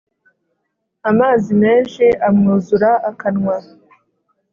amazi menshi amwuzura akanwa